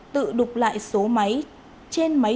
tự đục lại số máy